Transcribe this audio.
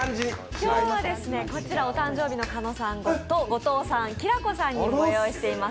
今日はですね、こちらお誕生日の狩野さんと、後藤さん、きらこさんにもご用意しています。